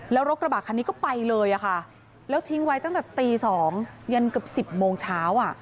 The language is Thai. แล้วรถกระบะคันนี้ก็ไปเลยค่ะแล้วทิ้งไว้ตั้งแต่ตี๒ยันเกือบ๑๐โมงเช้า